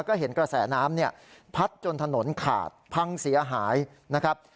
ก็เห็นกระแสน้ำเนี่ยพัดจนถนนขาดพังเสียหายนะครับ